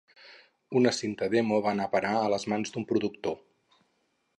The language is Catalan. Una cinta demo va anar a parar a les mans d'un productor